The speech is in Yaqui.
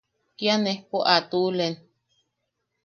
Kia nejpo a tuʼulen.